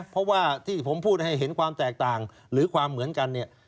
เพราะว่าที่ผมพูดให้เห็นความแตกต่างหรือความเหมือนกันเนี่ย